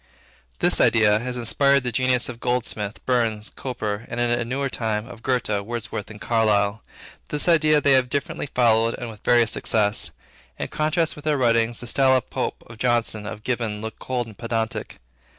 This idea has inspired the genius of Goldsmith, Burns, Cowper, and, in a newer time, of Goethe, Wordsworth, and Carlyle. This idea they have differently followed and with various success. In contrast with their writing, the style of Pope, of Johnson, of Gibbon, looks cold and pedantic.